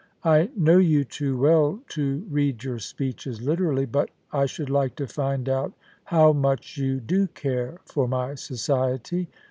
I know you too well to read your speeches literally, but I should like to find out how much you do care for my society.